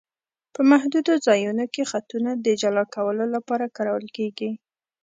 په محدودو ځایونو کې خطونه د جلا کولو لپاره کارول کیږي